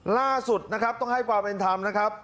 ล่าสุดนะครับต้องให้ความเป็นธรรมนะครับ